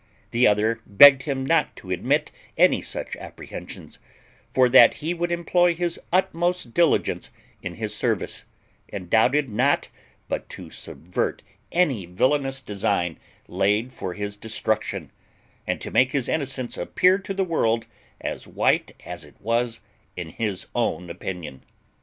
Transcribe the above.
The other begged him not to admit any such apprehensions, for that he would employ his utmost diligence in his service, and doubted not but to subvert any villanous design laid for his destruction, and to make his innocence appear to the world as white as it was in his own opinion.